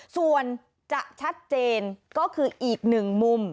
ส่วนจะชัดเจนก็คืออีกหนึ่งมุม